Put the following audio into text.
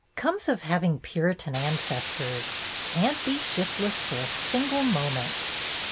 "Comes of hav ing Puritan ancestors. Can't be shiftless for a single moment."